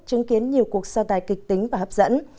chứng kiến nhiều cuộc so tài kịch tính và hấp dẫn